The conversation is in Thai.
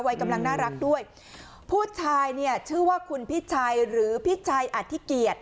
วัยกำลังน่ารักด้วยผู้ชายเนี่ยชื่อว่าคุณพิชัยหรือพิชัยอธิเกียรติ